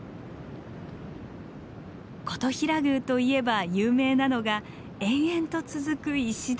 金刀比羅宮といえば有名なのが延々と続く石段。